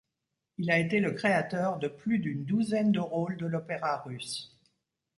Il a été le créateur de plus d'une douzaine de rôles de l'opéra russe.